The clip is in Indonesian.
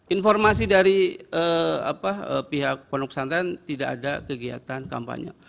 informasi dari pihak pondok pesantren tidak ada kegiatan kampanye